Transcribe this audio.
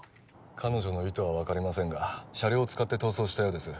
彼女の意図は分かりませんが車両を使って逃走したようです